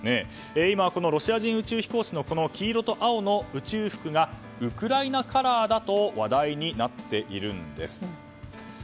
今、このロシア人宇宙飛行士の黄色と青の宇宙服がウクライナカラーだと話題になっているんです。